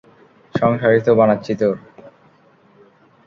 সংসারই তো বানাচ্ছি তোর।